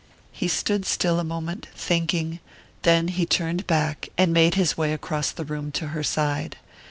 He stood still a moment, thinking; then he turned back, and made his way across the room to her side.